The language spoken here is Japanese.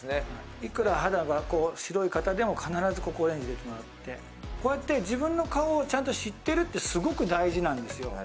いくら肌が白い方でも、必ずオレンジを入れてもらって、こうやって自分の顔をちゃんと知ってるってすごく大事なんですよ。